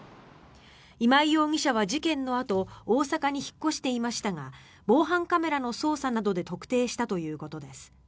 今井容疑者は事件のあと大阪に引っ越していましたが防犯カメラの捜査などで特定したということです。